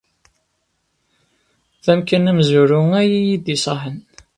D amkan amezwaru ay iyi-d-iṣaḥen.